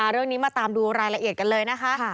เรื่องนี้มาตามดูรายละเอียดกันเลยนะคะ